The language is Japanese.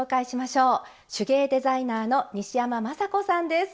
手芸デザイナーの西山眞砂子さんです。